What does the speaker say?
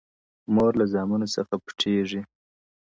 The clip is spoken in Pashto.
مور له زامنو څخه پټیږي!.